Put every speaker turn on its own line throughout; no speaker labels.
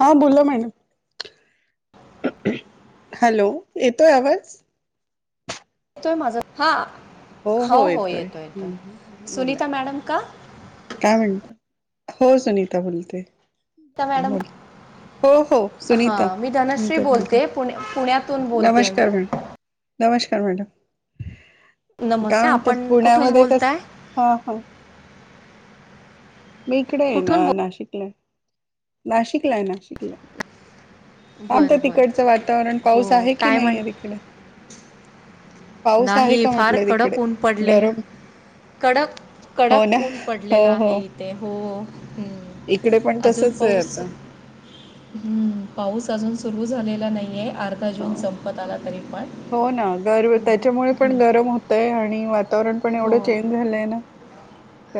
हा बोला madam. Hello, येतोय आवाज?
येतोय माझा हा हो हो येतोय येतोय, सुनीता मॅडम का?
काय म्हणत हो सुनीता बोलते.
त्या मॅडम
बोल हो हो सुनीता.
हां मी धनश्री बोलते पुणे पुण्यात
नमस्कार मॅ नमस्कार मॅडम. काय
नमस्कार
म्हणता
आपण कुठून
पुण्यामध्ये कसं
बोलताय
हा हा मी इकडे आहे
कुठून
ना नाशिकला. नाशिकला आहे नाशिकला
बोल
आमच
बरं बरं
तिकडचं वातावरण
हो
पाऊस आहे की
काय
नाही
म्हण
आहे तिकडे? पाऊस आहे
नाही
का
फार
म्हटलं तिकडे
कडक ऊन पडलेलं
गरम
कडक
हो
कडक
ना
ऊन
हो
पडलेला आहे
हो
इथे हो.
इकडे पण
अजून
तसच आहे
पाऊस
आता.
हम्म पाऊस अजून सुरू झालेला नाहीये अर्धा जून
हो
संपत आला तरी पण.
हो ना गर त्यांच्यामुळे
हम्म,
पण
हम्म.
गरम होतय आणि वातावरण पण
हो
एवढं चेंज झालंय ना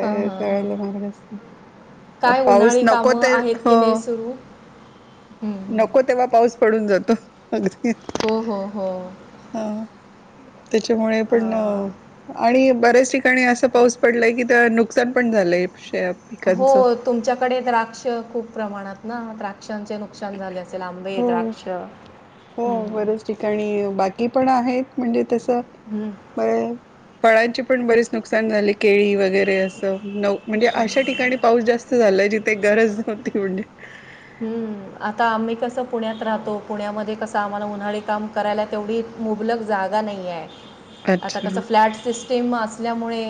हां हां हां
मार्ग असं
काय उन्हाळी कामं आहेत की नाही सुरू हम् हम्म
नको तेव्हा पाऊस पडून जातो अगदी
हो हो हो
ह त्यांच्यामुळे पण
अं,
आणि बऱ्याच ठिकाणी असं पाऊस पडला य कि नुकसान पण झालंय [unintelligible]
हो तुमच्याकडे द्राक्ष खूप प्रमाणात ना? द्राक्षांचे नुकसान झाले असे आंबे,
हो
द्राक्ष
हो
हम्म.
बरच ठिकाणी बाकी पण आहेत म्हणजे तसं
हम्म
बर फळांची पण बरीच नुकसान झाली. केळी वगैरे असं न म्हणजे अशा ठिकाणी पाऊस जास्त झाला जिथे गरज नव्हती [unintelligible]
हम्म आता आम्ही कसं पुण्यात राहतो पुण्यामध्ये कसं आम्हाला उन्हाळी काम करायला तेवढी मुबलक जागा नाही आहे. आता
अच्छा
कस फ्लॅट सिस्टीम असल्यामुळे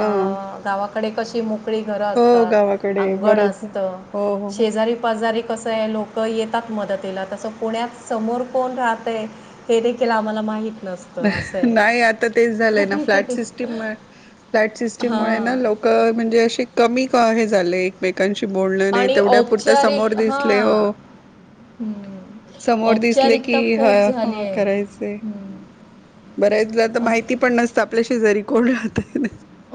अ गावाकडे कशी मोक मोकळी घरं
हो
असतात
गावाकडे
अंगण
बरंच
असतं
हो, हो, हो.
शेजारी पाजारी कसं आहे लोक लोक येतात मदतीला तसं पुण्यात समोर कोण राहतय हे देखील आम्हाला माहित नस
नाही आता तेच झालंय ना फ्लॅट सिस्टीम फ्लॅट सिस्टीममुळे ना
हां
लोक क म्हणजे असे कमी का हे झाले. एकमेकांशी बोलण नाही
आणि
तेवढ्यापुरत समोर
औपचारिक
दिसले हो
हां हं.
समोर दिसले कि
औपचारिकता
हा
खूप झाली
ह
आहे
करायचे.
हं.
बऱ्याचदा तर
असं
माहिती पण नसतं आपल्या शेजारी कोण राहतय.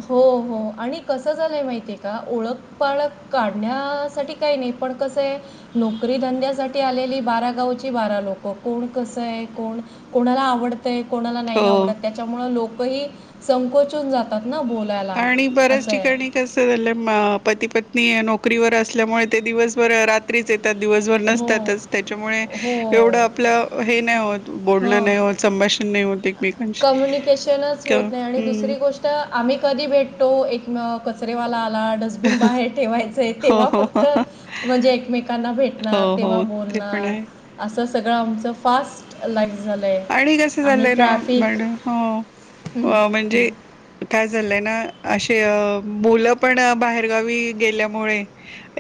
हो हो आणि कसं झालंय माहिती आहे का ओळखपाळख काढण्यासाठी काही नाही पण कसं आहे. नोकरी धंद्यासाठी आलेली बारा गावची बारा लोकं कोण कसं आहे कोण कोणाला आवडतय कोणाला नाही
हो.
आवडत त्यांच्यामुळे लोकही संकोचून जातात ना बोल
आणि बऱ्याच ठिकाणी कसं झालं पती पत्नी नोकरीवर असल्यामुळे ते दिवसभरात रात्री येतात दिवसभर
हो,
नसतातच त्यांच्यामुळे
हो.
एवढं आपलं हे नाही होत बोलणं नाही
हं.
होत. संभाषण नाही होते एकमेकच
कम्युनिकेशनच होत नाही आणि दुसरी गोष्ट तर आम्ही कधी भेटतो एक कचरेवाला आला डस्टबिन बाहेर ठेवायच.
हो,
तेव्हा
हो,
फक्त
हो,
म्हणजे एकमेकांना
हो,
भेटणार तेव्हा
हो. ते पण
बोलणार.
आहे.
असं सगळं आमचं फास्ट लाईक झाले.
आणि कसं चाललंय ना मॅडम
हं,
हो
हं,
म्हणजे. काय झालंय ना असे मुलं पण बाहेरगावी गेल्यामुळे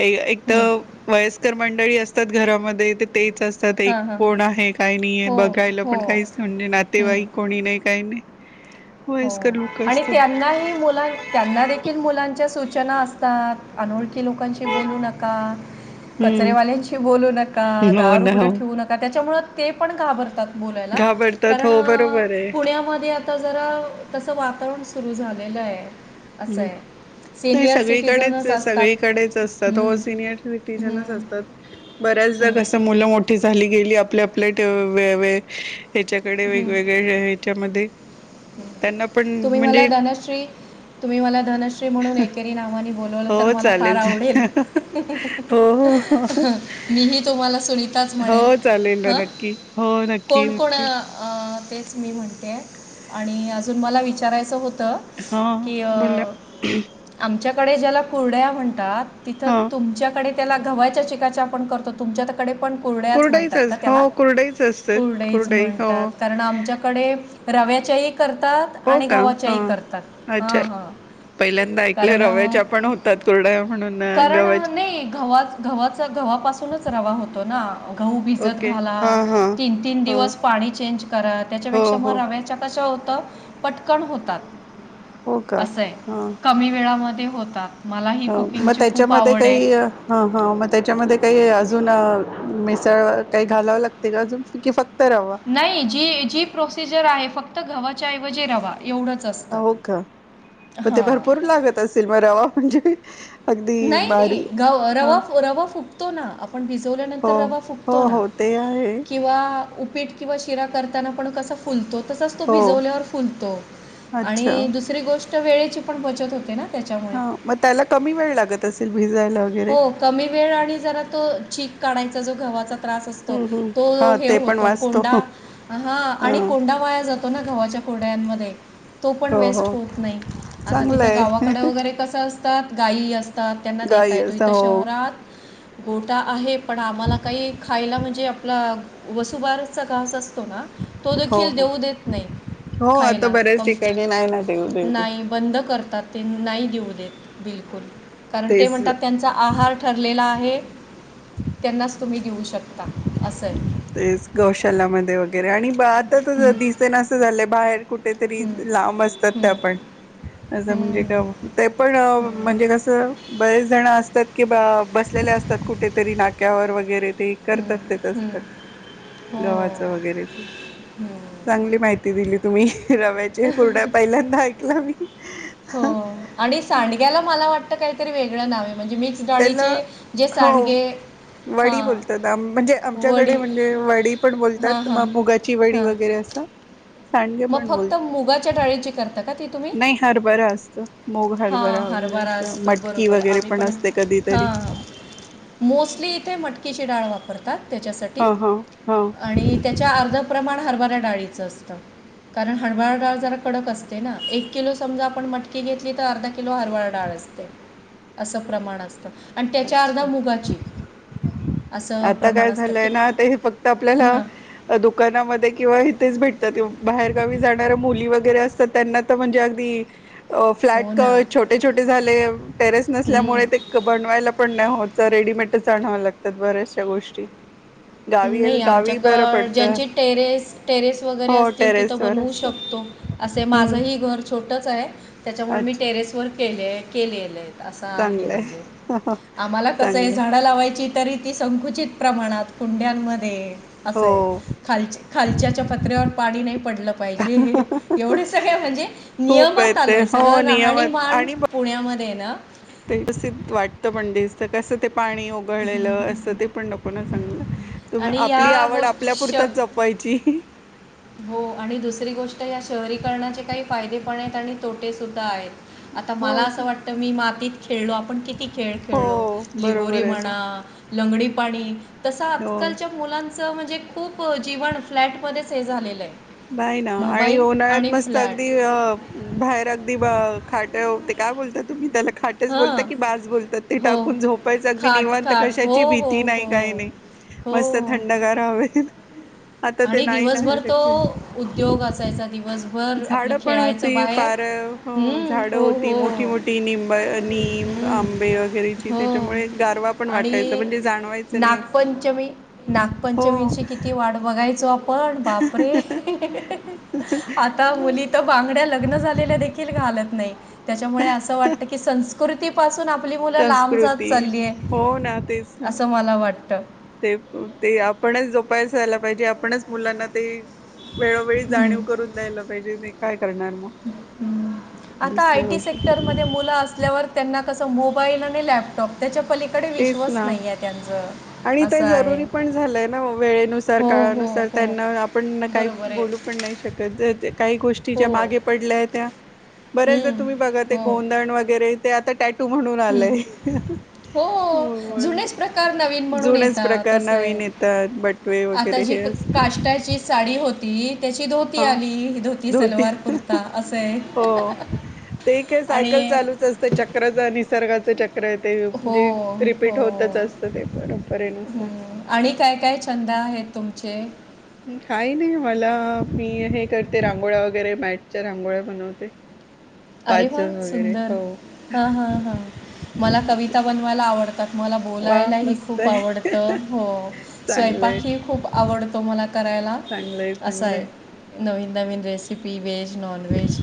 एक
हं.
तर वयस्कर मंडळी असतात घरामध्ये ते तेच असतात. अस एक
हां हां
कोण आहे काही नाहीय
हो
बघायला
हो
पण काहीच म्हणजे नातेवाईक
हं.
कोणी नाही काही नाही.
हो
वयस्कर लोक
आणि
असतात
त्यांनाही मुला त्यांना देेखील मुलांच्या सूचना असतात अनोळखी लोकांशी बोलू नका.
हम्म
कचरेवाल्यांशी बोलू नका,
हो
दार
ना
उघड
हो
ठेवू नका त्याच्यामुळे ते पण घाबरतात. बोलायला
घाबरतात
कारण
हो बरोबर आहे
पुण्यामध्ये आता जरा तसं वातावरण सुरू झालेलं आहे असं
हं.
आहे.
नाही
सिनियर
सगळीकडेच
सिटीजनच
आहे
असतात
सगळीकडेच असतं.
हम्म,
सिनियर
हम्म,
सिटिजनच असतात. बऱ्याचदा
हम्म,
कसं मुलं मोठ झाली गेली आपल्या आपल्या व हच्याकडे
हम्म.
वेगवेगळे्या मध्ये त्यांना पण म्हणजे
धश तुम्ही मला धनश्री म्हणून ब
हो
तर मला फार
चालेल
आवडेल
चालेल हो हो हो
म तुम्हाला सुनिताच म्हणेन
हो चालेल ना
ह.
नक्की हो नक्की
कोण कोण
नक्की
तेच मी म्हणते आणि अजून मला विचारायचं होतं
हा
की
बोला
आमच्याकडे ज्याला कुरड्या म्हणतात तिथं
हा
तुमच्याकडे त्याला घवयच्या चिकाच्या आपण करतो. तुमच्या त्याकडे पण कुरड्याच
कुरडईच
म्हणतात का त्याला?
हो कुरडईच असतात
कुरड्याच
कुरडई हो
म्हणतात कारण आमच्या कडे रव्याच्याही करतात
हो
आणि
का हा
गवच्याही करतात हा
अच्छा
हा.
पहिल्यांदा ऐकलं
कारण
रव्याच्या पण होतात कुरडया म्हणून
कारण
गव्हाच्या
नाही घव गव्हाचा गव्हापासूनच रवा होतो ना. गहू भिजत
ओके
घाला
हा हा
तीन तीन
हा
दिवस पाणी चेंज करा
हो
त्याच्यापेक्षा मग
हो
रव्यात कश होतं पटकन होतात.
हो का
असंय कमी वेळामध्ये होतात. मला ही
हो मग
कुकिंगची खूप
त्याच्यामध्ये
आवड आहे
काही हा हा मग त्याच्यामध्ये काही अजून मिसळ काही घालावं लागते का अजून की फक्त रवा?
नाही जी जी प्रोसिजर आहे फक्त गव्हाच्याऐवजी रवा. एवढंच असतं.
हो का मग ते
हां
भरपूर लागत असेल म रवा म्हणजे अगदी
नाही नाही
भारी
ग
ह
रवा रवा फुगतो ना आपण
हो
भिजवल्यानंतर रवा
हो
फुगतो ना.
हो ते आहे
किंवा उपीट किंवा शिरा करताना पण कस फुलतो तसाच तो
हो
भिजवल्यावर फुलतो
अच्छा
आणि दुसरी गोष्ट वेळेची पण बचत होते ना त्याच्यामुळे
हा मग त्याला कमी वेळ लागत असेल भिजायला. वगैरे
हो कमी वेळ आणि जरा तो चीक काढायचा जो गव्हाचा त्रास असतो
हम्म हम्म
तो
हा
हे
ते पण
होतो
वाचतो
कोंडा हा आणि
ह
कोंडा वाया जातो ना गव्हाच्या कुरड्यान मध्ये तो पण
हो हो
वेस्ट होत नाही आता
चांगलं
तिथ गावाकड
आहे
वगैरे कस अस असतात गाय असतात त्यांना देता
गाई
येतो
असं
इथ
हो
शहरात गोठा आहे पण आम्हाला काही खायला म्हणजे आपला वसुबारचा घास अस तो
हो
देखिल
हो
देऊ देत नाही
हो आता
खायला
बऱ्याच ठिकाणी नाही ना देऊ देऊ
नाही. बंद करतात ते नाही देऊ देत बिलकुल कारण ते
तेच
म्हणतात त्यांचा आहार ठरलेला आहे त्यांनाच तुम्ही देऊ शकता असं आहे.
ते गौशालामध्ये वगैरे आणि आता तर
हं,
दिसे नासं झालंय बाहेर कुठ कुठेतरी
हं,
लांब असतात त्या
हं,
आपण. असं म्हणजे
हं,
का ते पण
हं,
म्हणजे कस बरेच जण असतात. कि बा बसलेले असतात कुठेतरी नाक्यावर वगैरे ते
हं,
करतात ते
हं. हो
गव्हाच वगैरे ते
हं.
चांगली माहिती दिली तुम्ही रव्या कुरड्या पहिल्यांदा ऐकला मी.
हो आणि सांडग्याला मला वाटत काहीतरी वेगळं नावे म्हणजे मिक्स डाळीचे
त्याला
जे
हो
सांडगे
वडी
हां
बोलतात आ म्हणजे आमच्याकडे
वडी
म्हणजे वडी पण
हां
बोलतात म
हां
मुगाची वडी
हां
वगैरे असं. सांडगे
मग
पण बोलतात
फक्त मुगाच्या डाळीची करता? का ती तुम्ही?
नाही हरभरा असतं मूग
हा
वगैरे
हरभरा
असं
असतो
मटकी
बरोबर
वगैरे
आम्ही पण
असते कधीतरी
हां हां मोस्टली इथे मटकीची डाळ वापर वापरतात त्याच्यासाठी
हा हा हा
आणि त्याच्या अर्ध प्रमाण हरभऱ्या डाळीचं असतं. कारण हरभरा डाळ जरा कडक असते ना एक किलो समजा आपण मटकी घेतली तर अर्धा किलो हरभरा डाळ असते. असते अस प्रमाण असत आणि त्याच्या अर्ध
अच्छा
मुंगाची.
आता काय झालंय ना ते फक्त
हां,
आपल्याला दुकानामध्ये किंवा इथेच भेटतात बाहेरगावी जाणारया मुली वगैरे असतात त्यांना म्हणजे अगदी
हो
फ्लॅट
ना.
छोटे, छोटे झाले टेरेस
हं.
नसल्यामुळे ते बनवायला पण नाही होत रेडीमेटच आणाव लागतात बऱ्याचशा गोष्टी. गावी
नाही
गावी बरं
आमच्याकळ
पडतं
ज्यांची टेरेस, टेरेस वगैरे
हो
असतील तिथं
टेरेस वर
बनवू
असं
शकतो. असे
हम्म
माझंही घर छोटच आहे त्याच्यामुळे मी
अच्छा
टेरेस वर केले केलेले. असं आहे म्हणजे
चांगलंय
आम्हाला कसं आहे
चांगले
झाडं लावायची तरी ती संकुचित प्रमाणात कुंड्यांमध्ये असय.
हो
खालच्या, खालच्याच्या पत्र्यावर पाणी नाही पडलं पाहिजे. एवढे सगळं म्हणजे
खूप आहे
नियमात
ते
आलेय
हो
सगळं
नियमात
राहणीमान
आणि बघ
पुण्यामध्ये ना
व्यवस्थित वाटतं पण दिसत कसं ते पाणी ओप पळलेल असते पण नको सांग तुम
आणि
आपली
या
आवड
गोष्टी
आपल्या
श
पुरतं जपत पैची
हो आणि दुसरी गोष्ट या शहरीकरणाचे काही फायदे पण आहेत आणि तोटे सुद्धा आहेत. आता मला
हो ते
असं वाटत मी मातीत खेळलो आपण आपण किती खेळ खेळलो
हो
लिगोरी
बरोबर आहे ना
म्हणा, लंगडी पाणी तस
हो
आजकालच्या मुलांच म्हणजे खूप जीवन फ्लॅट मध्येच हे झालेलं आहे.
नाही ना आणि
मोबाईल
उन्हाळ्यात
आणि
मस्त अगदी
फ्लॅट
अ बाहेर अगदी ब खाटावरती काय बोलता तुम्ही त्याला खाटच बोलता
हां
की बाज बोलतात ते
हो
टाकून झोपायचं अगदी
खाट
निवांत
खाट हो
कशाची
हो
भीती नाही
हो
काही नाही. मस्त
हो
थंडगार हवेत. आता ते
आणि
नाही ना
दिवसभर तो उद्योग असायचा दिवस
झाड पण होती फार. हो
हम्म,
झाडं
हो
होती मोठी,
हो
मोठी निंब निम
हम्म,
आं- बे वगैरे
हो
त्याच्यामुळे गारवा पण वाटायच,
आणि
म्हणजे जाणवायचं- नाही असं.
नागपंचमी-
हो
नागपंचमीची किती वाट बघायचो आपण, बापरे. आता मुली तर बांगड्या लग्न झालेल्या देखील घालत नाही. त्याच्यामुळे असं वाटतं की, संस- कृती पासून आपली मुलं लांब जात
संस्कृती
चाललीये,
हो ना तेच ना
असं मला वाटत.
ते, ते आपणच जोपासायला पाहिजे, आपणच मुलांना ते- वेळोवेळी
हम्म.
जाणीव करून द्यायला पाहिजे, मी काय करणार मग?
आता
दुसऱ्या
आयटी
गोष्टी
सेक्टर मध्ये मुलं असल्यावर- त्यांना कसं मोबाईल आणि लॅपटॉप त्याच्या पलीकडे
तेच
विश्वस
ना
नाही आहे त्यांच.
आणि ते जरुरी पण झालंय ना, वेळेनुसार,
हो हो
काळानुसार
हो
त्यांना आपण काही-
बरोबर आहे
बोलू पण नाही शकत. काही गोष्टी- च्या
हो
मागे पडल्या होत्या, बऱ्याचदा‌
हम्म,
तुम्ही बघा, ते
हो
गोंदण वैगरे ते आता टँक- तू म्हणून
हं.
आलंय,
हो.
मग-
[unintelligible] नवीन- म्हणून
जुनेच
येतात
प्रकार
असं आहे.
नवीन येतात, बटवे वगैरे हे असलं.
काष्टाचीच- साडी होती- त्याची धोती
हा
आली, धोती, सलवार, कुर्ता असाय.
हो ते काय सायकल चालूच असते, चक्रच निसर्गाचं चक- करा ते
हो,
जे
हो.
रिपीट होतच असतं, ते परंपरेनुसार.
हं. आणि काय, काय छंद आहेत तुमचे?
काही नाही, मला मी हे करते रांगोळ्या वगैरे मॅटच्या रांगोळ्या बनवते.
अरे वा,
वाचन वगैरे
सुंदर
हो
हा, हा, हा. मला कविता बनवायला आवडतात, मला
वा
बोलायलाही
मस्त
खूप
आहे
आवडतं. हो.
चांगलंय
स्वयंपाकही खूप आवडतो, मला करायला.
चांगलंय, चांगलंय.
नवीन, नवीन रेसिपी व्हेज, नॉनव्हेज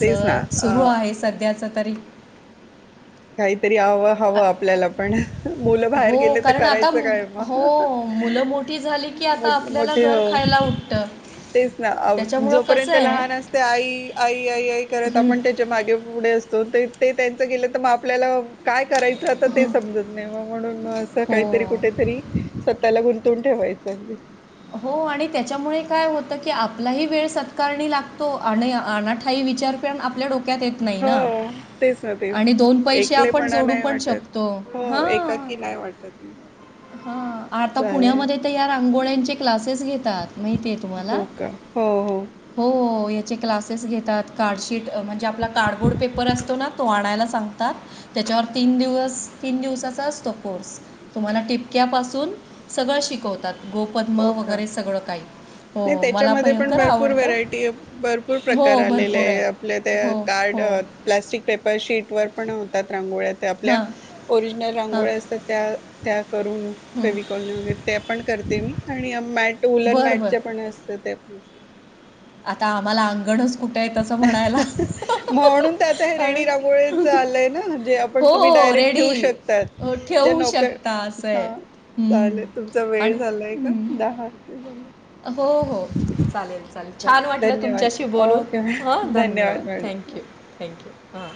तेच
सुरू
ना
आहे. हे सध्याच तरी-
काहीतरी हवं,
अ,
हवं आपल्याला. पण मुलं बाहेर
हो,
गेले तर
कारण आता
करायचं काय मग
हो, मुलं मोठी झाली- की,
मो
आता आपल्याला
मोठे
घर
हो
खायला उठत.
तेच ना, जोपर्यंत लहान अस- ते आई, आई, आई, आई करत
हं.
आपण त्याच्या मागे, पुढे असतो. ते, ते त्यांच गेलं तर मा- आपल्याला काय करायचं आता ते समजत नाही, मग म्हणून मग असं काहीतरी
हो.
कुठेतरी- स्वतःला गुंतवून ठेवायचं अगदी.
हो आणि त्याच्यामुळे काय होतं की, आपलाही वेळ सत्कारणी लागतो आणि अनाठाई विचार- आपल्या डोक्यात येत नाही
हो
ना
तेच ना तेच
आणि दोन पैशे आपण
एकलेपणा
जोडू
नाही
पण
वाटत
शकतो.
हो, एकाकी नाही वाटत.
हा, आता
चालेल
पुण्यामध्ये तर या रांगोळ्यांचे क्लासेस घेतात. माहिती आहे तुम्हाला?
हो का हो हो
हो, याचे क्लासेस घेतात. कार्डशीट म्हणजे, आपला कार्डबोर्ड पेपर असतो ना, तो आणायला सांगतात. त्याच्यावर तीन दिवस, तीन दिवसाचा असतो कोर्स तुम्हाला टिप- क्यापासून सगळं शिकवतात. गोपद्म
हो का
वगैरे सगळं काही.
नाही
हो, मला
त्याच्यामध्ये पण
भयंकर
भरपूर
आवडतं.
व्हरायटी, भरपूर प्रकार
हो,
आलेले
भरपूर
आहे. आपले ते
हो,
कार्ड-
हो.
प्लास्टिक पेपर शीट वर पण होतात रांगोळ्या त्या आपल्या.
हां,
ओरिजनल
हां.
रांगोळ्या असतात त्या- त्या करून,
हं.
फेविकॉलनी वगैरे ते पण करते मी. आणि या मॅट- उलन
बरं, बरं.
मॅटच्या पण असत. त्या पण.
आता आम्हाला अंगणच- कुठे आहे तसं म्हणायला.
म्हणून तर आता हे
अरे
रेडी रांगोळ्यांचं आलंय ना? जे आ - -पण तुम्ही
हो,
डायरेक्ट
रेडी
ठेवू शकतात.
अ,
जे
ठेवू
नोकर
शकता असं
-
आहे.
हं.
हं.
चालेल. तुमचा
आणि
वेळ झालाय का?
हं.
दहा [unintelligible] झाले.
हो. हो. चालेल. चालेल. छान वाटलं
धन्यवाद
तुमच्याशी बोलून.
ओके
हा.
मॅडम
धन्यवाद.
Madam
thank you thank you. हां.